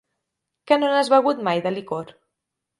Que no n'has begut mai de licor?